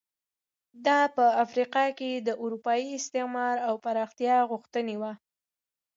دا په افریقا کې د اروپایي استعمار او پراختیا غوښتنې وو.